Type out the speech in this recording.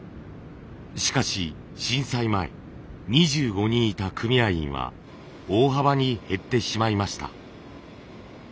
しかし震災前２５人いた組合員は大幅に減ってしまいました。